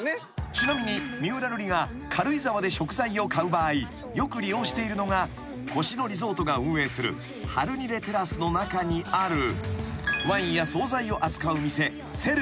［ちなみに三浦瑠麗が軽井沢で食材を買う場合よく利用しているのが星野リゾートが運営するハルニレテラスの中にあるワインや総菜を扱う店］